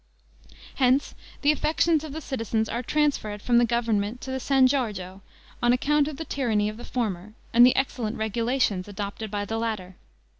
Hence the affections of the citizens are transferred from the government to the San Giorgio, on account of the tyranny of the former, and the excellent regulations adopted by the latter.